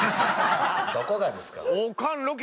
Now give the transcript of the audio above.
どこがですか！